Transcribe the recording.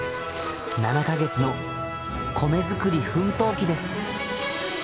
７か月の米作り奮闘記です。